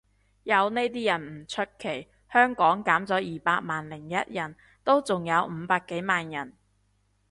有呢啲人唔出奇，香港減咗二百萬零一人都仲有五百幾萬人